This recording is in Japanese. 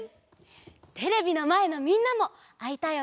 テレビのまえのみんなもあいたい